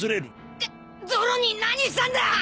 くっゾロに何したんだ！